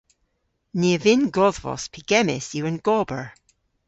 Ni a vynn godhvos pygemmys yw an gober.